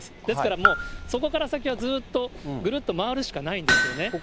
ですからもう、そこから先はずっと、ぐるっと回るしかないんですよね。